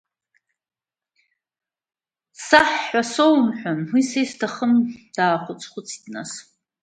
Саҳ ҳәа са исоумҳәан, уи са исҭахым, даахәыц-хәыцит, нас…